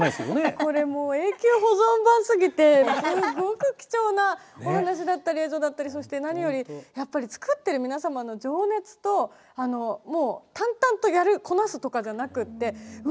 これもう永久保存版すぎてすごく貴重なお話だったり映像だったりそして何よりやっぱり作ってる皆様の情熱と淡々とやるこなすとかじゃなくってうわ